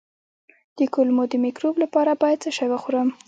د کولمو د مکروب لپاره باید څه شی وخورم؟